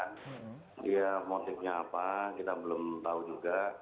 dia motifnya apa kita belum tahu juga